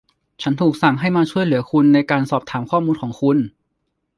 ฉันถูกสั่งให้มาช่วยเหลือคุณในการสอบถามข้อมูลของคุณ